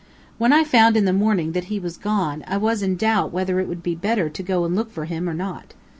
When I found in the morning that he was gone I was in doubt whether it would be better to go and look for him or not.